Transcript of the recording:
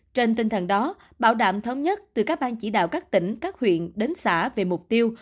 trên tinh thần đó bảo đảm thống nhất từ các ban chỉ đạo các tỉnh các huyện đến xã về mục tiêu